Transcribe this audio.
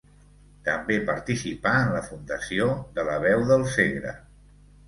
També participà en la fundació de La Veu del Segre.